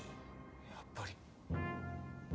やっぱり。